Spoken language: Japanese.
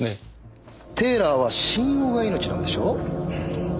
テーラーは信用が命なんでしょ？